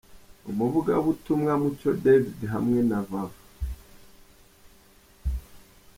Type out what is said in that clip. Umuvugabutumwa Mucyo David hamwe na Vava.